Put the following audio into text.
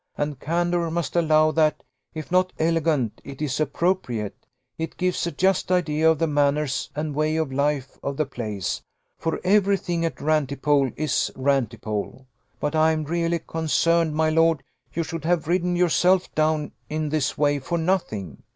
And candour must allow that, if not elegant, it is appropriate; it gives a just idea of the manners and way of life of the place, for every thing at Rantipole is rantipole. But I am really concerned, my lord, you should have ridden yourself down in this way for nothing.